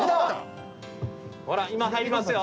ほら今入りますよ